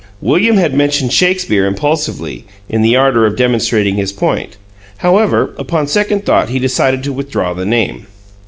William had mentioned Shakespeare impulsively, in the ardor of demonstrating his point; however, upon second thought he decided to withdraw the name.